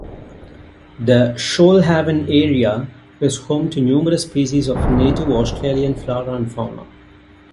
The Shoalhaven area is home to numerous species of native Australian flora and fauna.